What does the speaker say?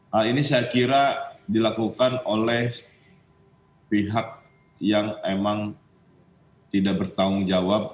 hal ini saya kira dilakukan oleh pihak yang emang tidak bertanggung jawab